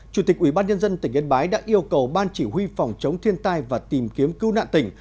chủ tịch ubnd tỉnh yên bái đã yêu cầu ban chỉ huy phòng chống thiên tai và tìm kiếm cứu nạn tỉnh